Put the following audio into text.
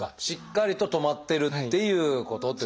しっかりと留まってるっていうこと。